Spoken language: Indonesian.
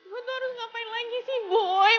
bu tuh harus ngapain lagi sih boy